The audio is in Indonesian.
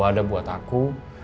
ada buat aku